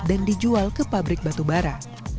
dan dijual ke pabrik batubara